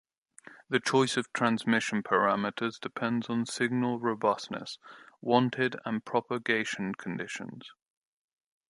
The choice of transmission parameters depends on signal robustness wanted and propagation conditions.